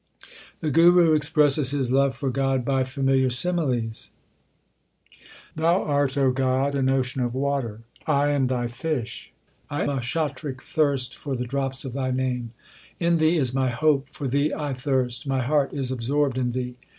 H4 THE SIKH RELIGION The Guru expresses his love for God by familiar similes : Thou art, God, an ocean of water ; I am Thy fish : I a chatrik thirst for the drops of Thy name. In Thee is my hope, for Thee I thirst, my heart is absorbed in Thee.